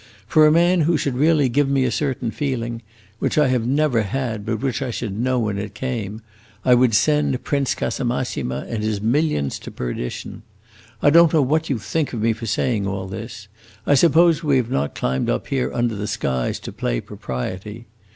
For a man who should really give me a certain feeling which I have never had, but which I should know when it came I would send Prince Casamassima and his millions to perdition. I don't know what you think of me for saying all this; I suppose we have not climbed up here under the skies to play propriety.